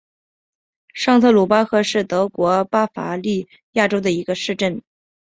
上特鲁巴赫是德国巴伐利亚州的一个市镇。